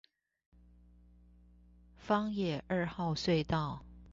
枋野二號隧道